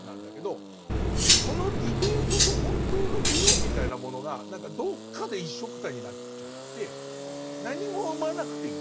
このディベートと本当の議論みたいなものが何かどっかで一緒くたになっちゃって何も生まなくていいっていう。